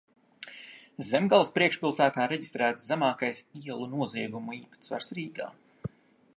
Zemgales priekšpilsētā reģistrēts zemākais ielu noziegumu īpatsvars Rīgā.